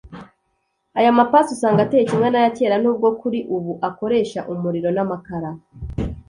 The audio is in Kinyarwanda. Aya mapasi usanga ateye kimwe n’aya kera n’ubwo kuri ubu akoresha umuriro n’amakara